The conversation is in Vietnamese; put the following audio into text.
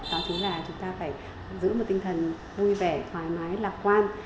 đó chính là chúng ta phải giữ một tinh thần vui vẻ thoải mái lạc quan